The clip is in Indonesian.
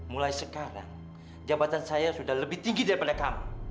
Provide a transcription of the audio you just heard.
mulai sekarang jabatan saya sudah lebih tinggi daripada kamu